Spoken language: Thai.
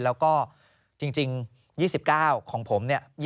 แล้วก็จริง๒๙ของผม